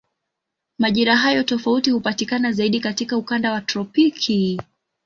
Majira hayo tofauti hupatikana zaidi katika ukanda wa tropiki.